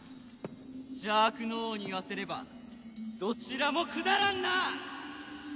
邪悪の王に言わせればどちらもくだらんな！